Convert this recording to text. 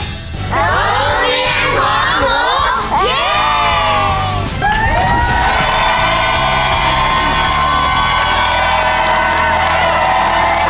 โรงเรียนความมุ่ง